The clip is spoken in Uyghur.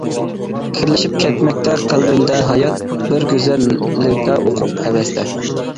كىرلىشىپ كەتمەكتە قەلبىمدە ھايات، بىر گۈزەل لىرىكا ئۇقۇپ ھەۋەستە!